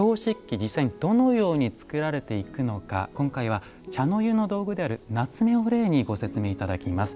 実際にどのように作られていくのか今回は茶の湯の道具であるなつめを例にご説明頂きます。